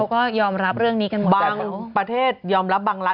เขาก็ยอมรับเรื่องนี้กันหมดแต่ประเทศยอมรับบางรัฐ